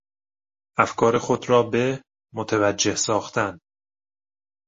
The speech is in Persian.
افکار خود را به... متوجه ساختن